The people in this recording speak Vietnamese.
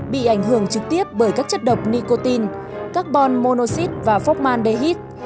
bị ảnh hưởng trực tiếp bởi các chất độc nicotine carbon monoxid và forman dehid